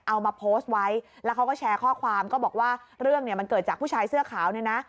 เอามาโพสต์ไว้แล้วเขาก็แชร์ข้อความก็บอกว่าเรื่องเนี่ยมันเกิดจากผู้ชายเสื้อขาวเนี่ยนะ